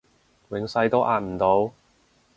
永世都壓唔到